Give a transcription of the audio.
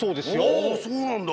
あっそうなんだ。